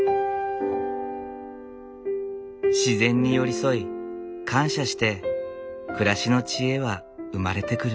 自然に寄り添い感謝して暮らしの知恵は生まれてくる。